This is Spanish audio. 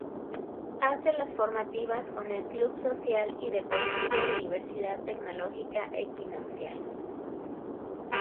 Hace las formativas con el Club Social y Deportivo Universidad Tecnológica Equinoccial.